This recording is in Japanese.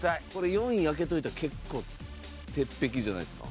４位開けておいたら結構鉄壁じゃないですか？